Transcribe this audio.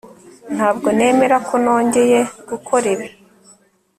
Ntabwo nemera ko nongeye gukora ibi